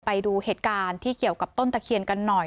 ไปดูเหตุการณ์ที่เกี่ยวกับต้นตะเคียนกันหน่อย